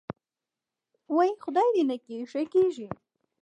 وۍ خدای دې نکي ښه کېږې.